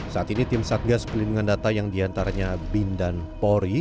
saat ini tim satgas pelindungan data yang diantaranya bin dan pori